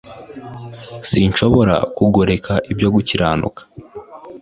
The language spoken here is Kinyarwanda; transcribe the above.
si nshobora ku ngoreka ibyo gukiranuka